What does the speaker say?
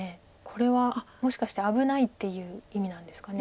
これはもしかして危ないっていう意味なんですか。